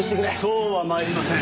そうは参りません。